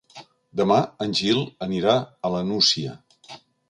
Demà en Gil anirà a la Nucia.